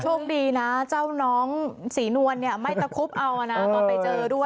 โชคดีนะเจ้าน้องศรีนวลไม่ตะคุบเอานะตอนไปเจอด้วย